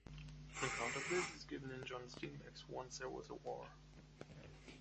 An account of this is given in John Steinbeck's Once There Was a War.